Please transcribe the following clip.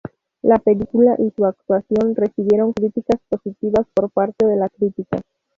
La película, y su actuación, recibieron críticas positivas por parte de la crítica.